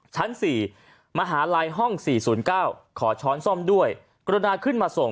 ชั้น๔มหาลัยห้อง๔๐๙ขอช้อนซ่อมด้วยกรุณาขึ้นมาส่ง